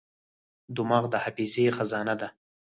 دماغ د حافظې خزانه ده.